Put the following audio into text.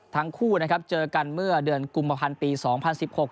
ทั้งคู่นะครับเจอกันเมื่อเดือนกุมภาพันธ์ปีสองพันสิบหก